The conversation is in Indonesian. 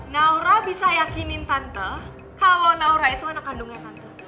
naura bisa yakinin tante kalau naura itu anak kandungnya tante